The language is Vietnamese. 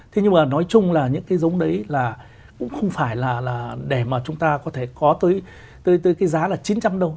thế nhưng mà nói chung là những cái giống đấy là cũng không phải là để mà chúng ta có thể có tới cái giá là chín trăm linh đâu